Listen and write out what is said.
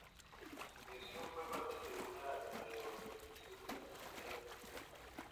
Su creación fue parte de una reorganización de la frontera con Francia.